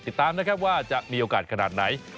ติดตามนะครับว่าจะมีโอกาสขนาดไหน